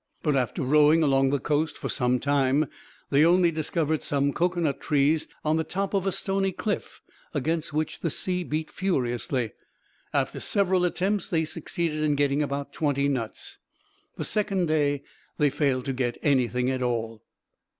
But after rowing along the coast for some time, they only discovered some cocoanut trees on the top of a stony cliff, against which the sea beat furiously. After several attempts they succeeded in getting about twenty nuts. The second day they failed to get anything at all.